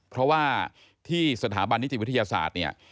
เพราะว่าที่สถาบันนิติวิทยาศาสตร์เนี่ย